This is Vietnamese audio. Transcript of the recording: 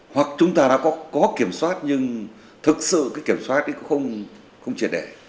hoặc chúng ta đã có kiểm soát nhưng thực sự kiểm soát cũng không triệt đẻ